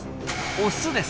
オスです。